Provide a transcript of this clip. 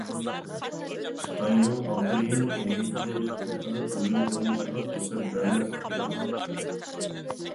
خىتاينىڭ ئابدۇرېھىم ھېيتنى تۇتقا قىلىپ ئويۇن ئوينىشىغا پۇرسەت بەرمەسلىك كېرەك.